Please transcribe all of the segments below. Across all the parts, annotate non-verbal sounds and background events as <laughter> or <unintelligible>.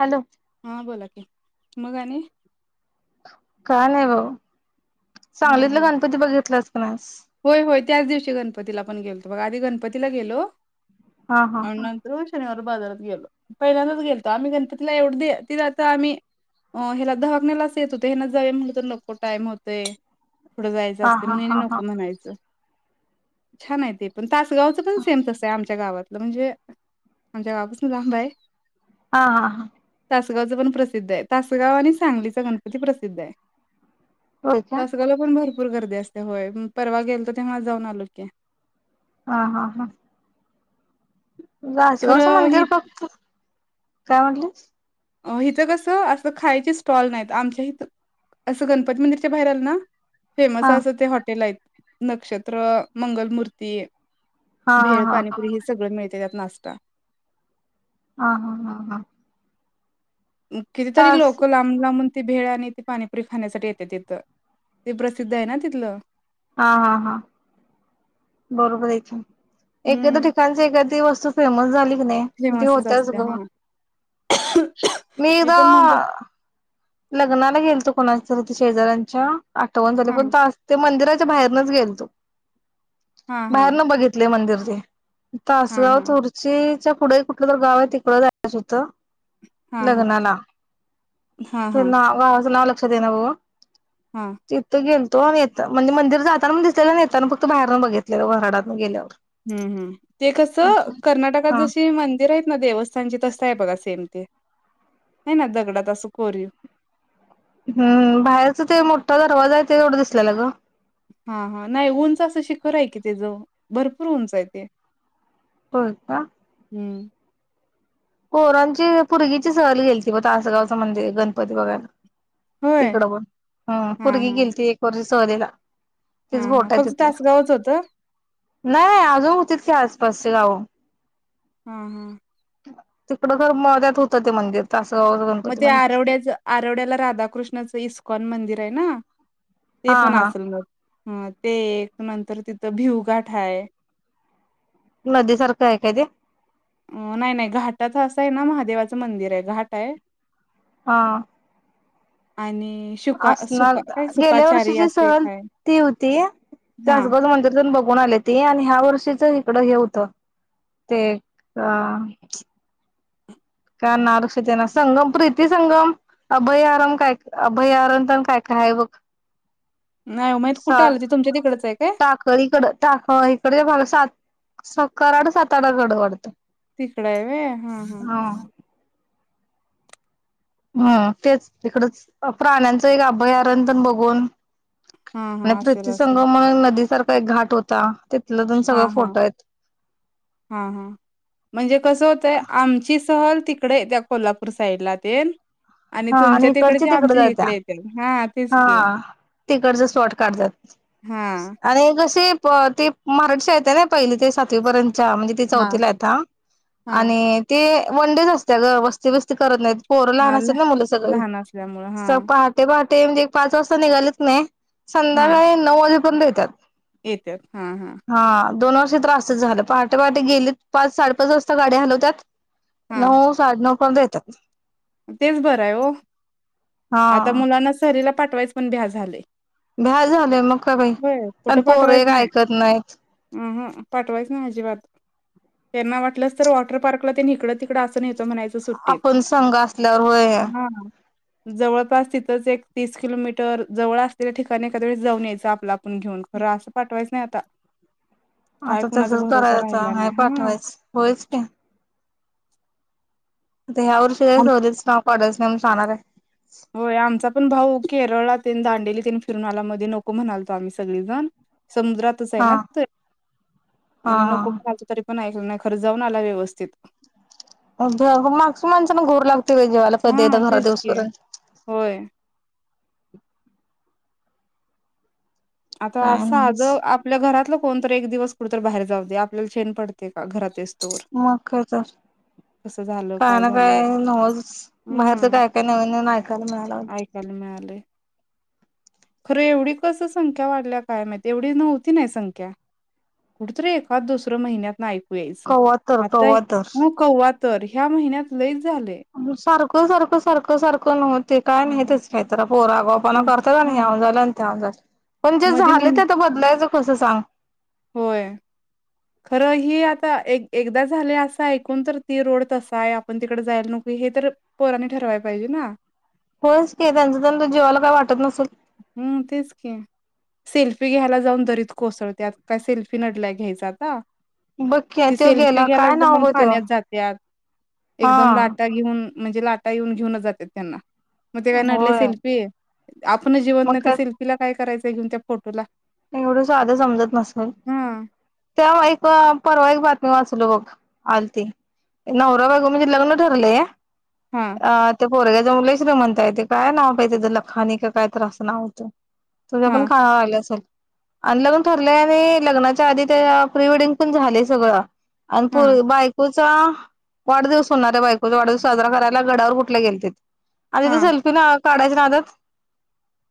Hello. हा बोला की मग आणि? काय नाही भाऊ हा सांगलीतलं हा गणपती बघितलाच की नाहीस? होय होय त्याच दिवशी गणपतीला पण गेलो बघा आधी गणपतीला गेलो. हा हा आणि नंतर शनिवार बाजारात गेलो पहिल्यांदच गेलतो. आम्ही गणपतीिला एवढ तिला आता आम्ही अ ह्याला दधहाकनेलाच येत होत ह्याना जावे म्हणलं तर नको टाइम होतय पुढं जायचं हा असते हा म्हणणे हा नको हा म्हणायचं छान आहे ते पण. तासगावच पण सेमचस आहे आमच्या गावातलं म्हणजे आमच्या गावापासून लांबय हा हा हा. तासगावच पण प्रसिद्ध आहे. तासगाव आणि सांगलीच गणपती प्रसिद्ध आहे. होय का तासगावला पण भरपूर गर्दी असते होय. परवा गेल तर तेव्हा जाऊन आलो की, हा हा हा वासगावचं खरं मंदिर ही फक्त, काय म्हटलीस? अ हिथं कसं असं खायचे स्टॉल नाहीत, आमच्या हिथं असं गणपती मंदिरच्या बाहेर आलं ना फेमस हा असं ते हॉटेल आहेत नक्षत्र, मंगलमूर्ती, हा हा भेळ हा पाणीपुरी हे सगळं मिळते त्यात नाश्ता. ह हा हा हा कितीतरी तास लोक लामलामून भेळ आणि ते पाणीपुरी खाण्यासाठी येते तिथं ते प्रसिद्ध आहे ना तिथलं हा हा हा बरोबर येथ एकदा त्या हम्म ठिकाणी एखादी वस्तू फेमस झाली. हो नयेजे फेमसच होत असते सग हा मी एदा पण म्हणतो लग्नाला गेल तो कोणाच्या शेजार्यांच्या आठवण झाली हा पण त आज ते मंदिरा बाहेरनच गेल तू हा हा बाहेरन बघितले मंदिरचे हा तासगाव हा तुर्चीच्या पुढे कुठलं तर गाव आहे तिकड जायच होतं. हा लग्नाला हा हा ते नाव आज नाव लक्षात ये नां बघ हा तिथं गेल तो येत म्हणजे मंदिर जाता मग नेताना फत बाहेरन बघितलेलं व व्हराडातन गेल्यावर हम्म ह ते अच्छा. कसं कर्नाटकात हा जशी मंदिर येत. ना देवस्थानची तसत आहे बघा सेम ते नाही ना दगडात असं कोरीव हम्म बाहेरच ते मोठा दरवाजा आहे ते एवढं दिसलेला ग हा हा नाही उंच असं शिखर आहे कि, ते जव भरपूर उंच आहे ते होय का? हम्म पोरांची पोरगीची सहल गेली त ब तासगावचं मंदिर गणपती बघायला. होय तिकडं पण ह हा पर्गी हा गेली ती एक वर्ष सहरीला हा हा फक्त तासगावच होतं. नाही अजून होतीच क आसपासचे गाव हम हम् तिकडं घर म त्या्त होतं ते मंदिर तासगाव मग गणपती ते मंदिर आरवड्याच आरवड्याला राधाकृष्णाचं इस्कॉन मंदिर आहे ना. ते हा पण हा असेल मग हा ते एक नंतर तिथं भिवगाठा आहे. नदीसारखं आहे काय ते? अ नाही नाही घाटात असं आहे ना महादेवाचं मंदिर आहे, घाट आहे. हा आणि शुका असणार सुका काय गेल्या सुकाचारी वर्षीची असे सहल काय ती होत्या. हा तासगज मंदिर बघ कोण आले ते आणि ह्या वर्षीच इकडं हे होत ते अ का ना रक्षते ना संगम प्रीती संगम अभयारण काय? अभयारणण काय? कर हाय बघ <inaudible> नाही माहित सा कुठं आलं ते तुमच्या तिकडच आहे काय टाक इकड टाक इकडे भा सात सो कराड सातारा जड वाटतं. तिकड आहे व्हय हं हं हा हम्म तेच तिकडच प्राण्यांचं एक अभयारण पण बघून हा आणि हा असेल त्रितिय असेल संगम नदीसारखा एक घाट होता. दोन हा सगळं हा फोटो आहेत. हा हा म्हणजे कस होतय आमची सहल तिक इकडे त्या कोल्हापूर साईड ला तेन आणि हा तुमच्या इकडची तिकडची तिकड आमच्या जात्या इकडे येतील हा तेच की तिकडचं शॉर्ट काढतात हा आणिे कशी प ते मराठी शाळेत आहेत नाय पहिले ते सातवीपर्यंत हा म्हणजे ते हा चौथीला येत हा आणि ते वन डेज असत्या ग वस्ती बिस्ती करत नाहीत. पोरं लहान हा ल असत्यात ना मुलं सगळी लहान असल्यामुळं हा सग पहाटे पहा ते म्हणजे पाच वाजता निघालेच नाही हा संध्याकाळी नऊ वाजेपर्यंत येतात. येत्यात हा हा दोन वर्षे त्रासच झालं पहाटे पहाटे गेलेत पाच साडेपाच वाजता गाडी हालवत्यात हा नऊ साडे नऊ पर्यंत येत्यात. तेच बरं आहे ओ आता मुलांना सहलीला पाठवायचं पण भ्या झालयं. भ्या झालेय मग का बाई पण कुठं पोरं पाठवायच एक नाही ऐकत नाहीत. अहं पाठवायच ना माझी बात त्यांना वाटलंच तर वॉटर पार्कला त्यांनी इकडं तिकडं असं नेतो म्हणायचं. त सुट्टीत आपण संघ असल्यावर होय. हा जवळपास तिथंच एक तीस किलोमीटर जवळ असलेल्या ठिकाणी एखाद्या वेळेस जाऊन यायचं आपलं आपण घेऊन खरं अस पाठवायचं नाही आता काय आता कुणाचा तसच भरोसा करायच राहिला नाही हा पाठवायच होयच की ह्या वर्षी काय सहलीचं नाव काढायचं नाही म्हणून सांगणार हाय. होय आमचा पण भाऊ केरळात तिनं दांडेली तिन फिरून आला मध्ये नको म्हणालतो आम्ही सगळेजण समुद्रातच आहे हा ना ते हा आणि हा नको म्हणलं तरी पण ऐकलं नाही खरं जाऊन आला व्यवस्थित अ मागच्या माणसाना घोर लाग जेवायला कधी एकदा हा घरात तेच की येऊसपर्यंत होय आता काय नव्हच साधं आपल्या घरातलं कोन तर एक दिवस कुठ तर बाहेर जाऊ दे आपल्याला चेन पडते का घरात येई मग काय तर झालं काय ना काय झालं नवचं बाहेरच हम्म काय काय नवीन नवीन ऐकायला मिळालं. मिळालय खरं एवढी कसं संख्या वाढल्या काय माहित, एवढी नव्हती नव्हती ना संख्या कुठतरी एकाद दुसरं महिन्यात ना ऐकू यायचं कवा तर आता कवा तर <unintelligible> तर ह्या महिन्यात लयच झालय. सारखं सारखं सारखं नव्हत ते काय हं. नाहीतच काहीतर पोरं आगावपणा उन करतात आणि हां. ह्याव झालं आणि त्याव्ह झालं. पण जे मधी झाले उन ते तर बदलायचं कस सांग. होय. खरं ही आता एक एकदा झालय असं ऐकून तर ती रोड तसा आहे आपण तिकडं जायला नको. हे तर पोराने ठरवाय पाहिजे ना होय च कि त्यांच्या त्यांच्या जीवाला काय वाट हम्म तेच की सेल्फी घ्यायला जाऊन दरीत कोसळत्यात काय सेल्फी नडल्या घ्यायचा आता बघ की ती त्यो सेल्फी गेला घ्याला काय नाव जाऊन ग त्यो पाण्यात जात्यात हा एकदम लाटा घेऊन म्हणजे लाटा येऊन घेऊनच जातात त्यांना मग ते काय नडलय होय सेल्फी आपण जीवत मग नाही त्या काय सेल्फीला काय करायचं घेऊन त्या फोटोला एवढं साधं समजत नसेल हां त्या्हा एक परवा एक बातम मी वाचलो बघ आलती नवरा बायको म्हणजे लग्न ठरलेय हां अ ते पोरग्या जाऊन लय श्रीमंतय ते काय नाव बाई त्याच लखानी कायतरी असं नाव होतं. तुझ्या पण हां खा आला असेल. आणि लग्न ठरलंय आणि लग्नाच्या आधी त्या प्रीवेडिंग पण झाले सगळं. आण पू हां बायकूच चा वाढदिवस होणाऱ्या बायकोचा वाढदिवस साजरा करायला गड्यावर कुठल्या गेलेते ते. आ तिथ हां सेल्फीला ना काढायच नादात.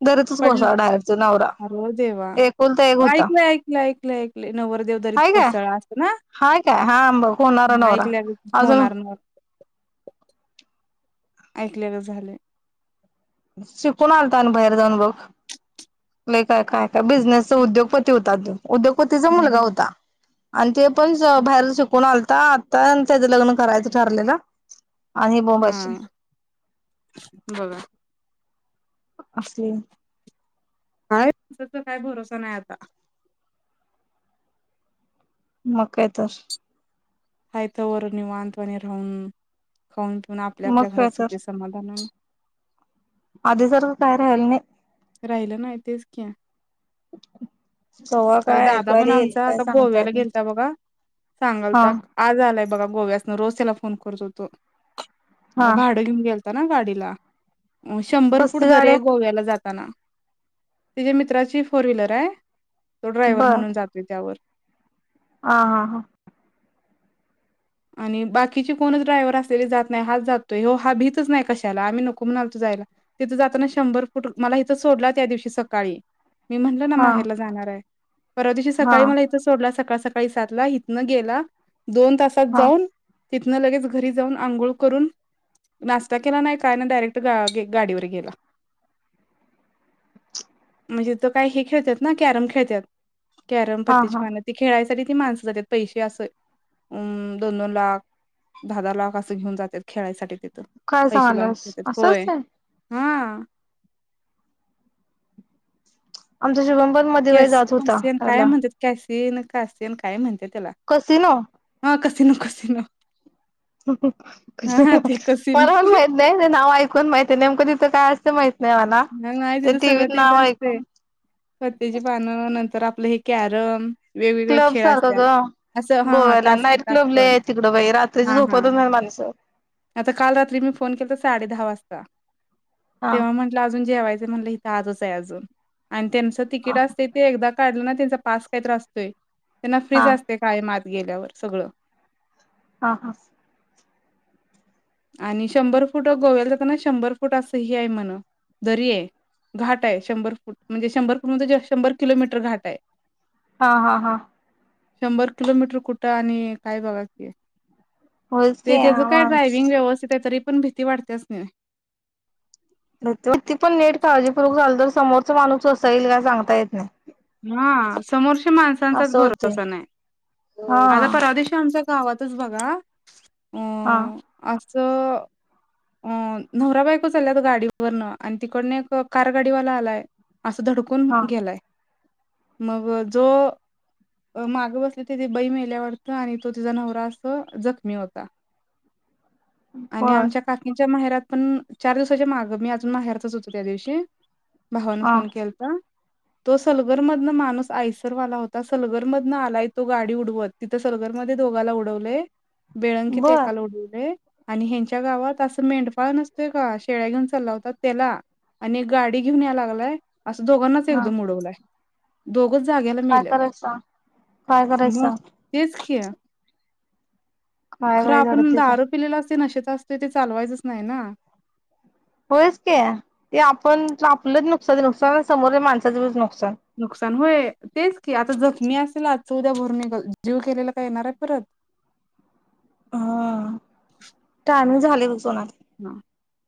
दरीतच पडला कोसळला डायरेक्ट तो नवरा. अरे देवा! एकुलता एक होता ऐकलंय ऐकलं ऐकलं ऐकलं नवर देवदरीत हाय काय कोसळा अस ना. हाय काय हा ब होणारा नवरा अजून ऐकल्या गत झालंय. शिकून आलता आण बाहेर जाऊ तो लई काय काय. बिझनेसचा उद्योगपती होता तो द्योगपतीचा हं हं मुलगा हं. होता आणि ते पण बाहेर शिकून आलता आता त्याचं लग्न करायचं ठरलेलं. आणि बोंबाची हम्म बघा. असली. काय त काय भरोसा नाही आता. म काय तर. हाय तवर निवांतवाणी राहून खाऊन पिऊन आपल्या मग आपल्या घरात काय सुखी तर समाधानान आधी सारखं काय राहिलं नाही. राहिलं नाही तेच की. कव्हा आता काय दादा ऐकवायला पण येईल आमचा काय आता सांगता येत गोव्याला नाही गेलता बघा. हा सांगलता आज आलाय बघा. गोव्यासन रोज त्याला फोन करत होतो हा भाडं घेऊन गेलता ना गाडीला. शंभर फूट कसली गाडी दरे आहे गोव्याला जात ना तिच्या मित्राची फोर व्हीलर आहे तो ड्रायव्हर बर म्हणून जातो त्यावर. हा हा हा. आणि बाकीची कोणच ड्रायव्ह असलेली जात नाही हात जातोय हो हा भीतच नाही कशाला आम्ही नको म्हणालतो जाय ला तिथ जाताना शंभर फूट मला इिथं सोडला त्या दिवशी सकाळी मी म्हणलो ना हा हा माहेरला जाणारे. परवा दिवशी हा सकाळी मला इथं सोडला सकाळ सकाळी सातला इथनं गेला दोन तासात हा जाऊन तिथनं लगेच घरी जाऊन आंघोळ करून नाश्ता केला नाही काय ना डायरेक्ट ग गाडीवर गेला. म्हणजे त काही हे खेळतात ना कॅरम खेळतात. कॅरम हा पत्तेची हा पानं ती खेळायसाठी ती माणसं जातात पैसे असं अ दोन दोन लाख दहा दहा लाख असं घेऊन जातात खेळायसाठी तथ. काय पैसे लावून सांगालास खेळतात होय. असंच आहे हा आमच्या शुभम पण मध्ये बाई कॅस जात होता कसिन काय त्याला म्हणतात कॅस सेन काय असते काय म्हणते त्याला कसिनो हा कसिनो कसिनो. हा हा मला ते कसिनो पन माहित नाही ते नाव ऐकून माहिते नेमकं ती काय असत माहित नाही मला नाही ते तिथं सगळं टीव्हीत तेच नाव असतय ऐकून सटेची पानं नंतर आप आपलं हे कॅरम वेगवेगळे क्लब खेळ सारखं असतात. ग असं हा हा गोव्याला टास्क नाईट क्लब टास्क लय वानी आहे तिकडं बाई रात्रीची हा हा. झोपतच नाही माणसं आता काल रात्री मी फोन केलाता साडे दहा वाजता हा तेव्हा म्हंटलं अजून जेवाय म्हणला इथं आजचे अजून अण त्यांचं हा तिकीट असतय ते एकदा काढलं ना त्यांचा पास काही तरी असतोय. त्यांना हा फ्रीच असतंय कायम आत गेल्यावर सगळं. हा, हा. आणि शंभर फुट गोव्याला जाताना शंभर फूट असं हे आहे म्हण दरी ये. घाट आहे म्हणजे शंभर फूट म्हणजे शंभर <unintelligible> शंभर किलोमीटर घाट हाय. हा, हा, हा. शंभर किलोमीटर कुठं आणि काय बघा की. होयच की ते त्याचं काय आवा ड्रायव्हिंग व्यवस्थित हाय तरी पण भीती वाढत्याच की नाही? ती पण नीट काळजीपूर्वक झाल तर समोरच माणूस कसं यील का सांगता येत नाही. हा समोरच्या माणसांचाच असं होतंय भरोसा नाही, हा आता परवा दिवशी आमचा गावातच बघा हा. असं अ नवरा बायको चालल्यात गाडीवरनं आणि तिकडनं एक कार गाडीवाला आलाय असं धडकून हा गेलाय. मग जो मागं बसलीवती ती बाई मेल्या वाटतं आणि तो तिचा नवरा अस जखमी होता. आणि बर आमच्या काकींच्या माहेरात पण चार दिवसाच्या माग मी अजून माहेरातच होते त्या दिवशी. भावानं हा फोन केलता तो सलगरमधनं माणूस आईसरवाला होता, सलगरमधनं आलाय तो गाडी उडवत. तिथं सलगरमध्ये दोघाला उडवलंय, बेळंकीत बर एकाला उडवलंय आणि ह्यांच्या गावात असं मेंढपाळ नसतोय का, शेळ्या घेऊन चालावता त्याला आणि एक गाडी घेऊन या लागलाय असं दोघांनाच हा एकदम उडवलाय. दोघ घ जाग्याला काय मेल्यात. करायचं सांग काय करायचं मग सांग तेच की काय खरं बाई आपण धडतीच आहे दारु पिलेला असतोय, नशेत असतोय ते चालवायचंच नाही ना. होयच की ते आपण आपलंच नुकसान ते नुकसान समोरच्या माणसाचं पण नुकसान. नुकसान होय तेच की आता जखमी असेल आजच उद्या भरून निघलं. जीव गेलेला काय येणार आहे परत? <inaudible> हा, टायम झालंय बघ सोना त हा.